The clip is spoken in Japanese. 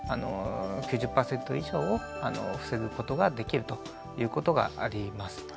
９０％以上を防ぐことができるということがあります。